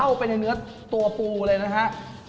เข้าไปในเนื้อตัวปูเลยนะฮะ